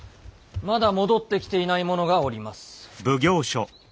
まだ戻ってきていない者がおります。